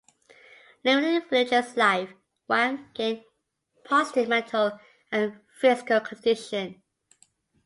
Living in villagers life, Wang gained positive mental and physical condition.